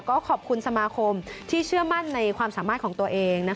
ก็ขอบคุณสมาคมที่เชื่อมั่นในความสามารถของตัวเอง